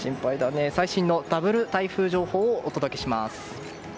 最新のダブル台風情報をお届けします。